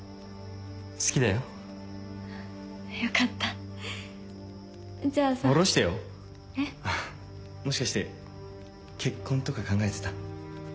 好きだよよかったじゃあさもしかして結婚とか考えてた？